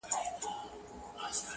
چاودلی زړه به خپل پرودگار ته ور وړم _